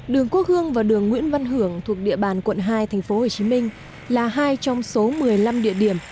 đường quốc hương và đường nguyễn văn hưởng thuộc địa bàn quận hai tp hcm là hai trong số một mươi năm địa điểm